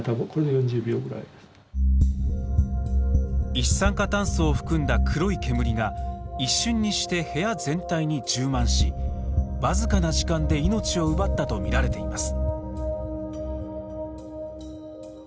一酸化炭素を含んだ黒い煙が一瞬にして部屋全体に充満し僅かな時間で命を奪ったと見られています。